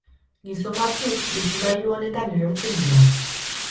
Gizon batzuk trikimailu honetan erortzen dira.